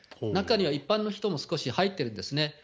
中には一般の人も少し入ってるんですね。